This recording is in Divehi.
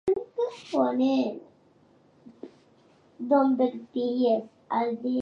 އޭގެ ވަށައިގެން ގޮހެއް ނޫން